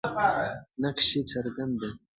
نقش یې څرګند دی.